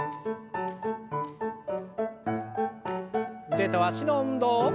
腕と脚の運動。